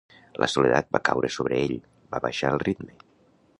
La soledat va caure sobre ell: va baixar el ritme.